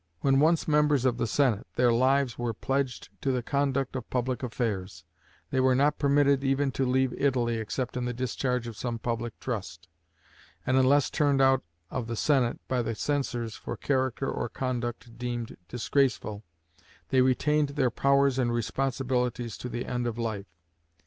When once members of the Senate, their lives were pledged to the conduct of public affairs; they were not permitted even to leave Italy except in the discharge of some public trust; and unless turned out of the Senate by the censors for character or conduct deemed disgraceful, they retained their powers and responsibilities to the end of life.